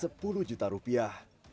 sehingga sepuluh juta rupiah